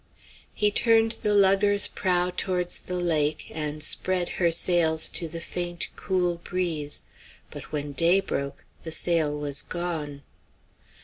He turned the lugger's prow towards the lake, and spread her sails to the faint, cool breeze. But when day broke, the sail was gone.